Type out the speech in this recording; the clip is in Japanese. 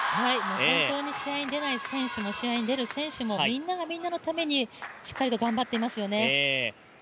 本当に試合に出ない選手も、試合に出る選手も、みんながみんなのために、しっかりと頑張っていますよね。